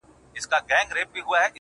زه به همدغه سي شعرونه ليكم.